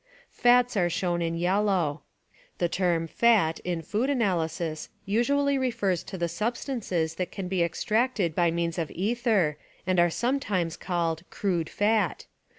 Fats are shown in yellow. The term "fat" in food analysis usually refers to the substances that can be extracted by means of ether and are sometimes called "crude fat."